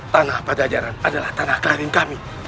tanah pajajaran adalah tanah karir kami